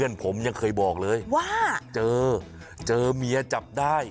ลับตาการในใจ